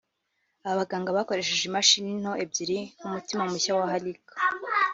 Aba baganga bakoresheje imashini nto ebyiri nk’umutima mushya wa Halik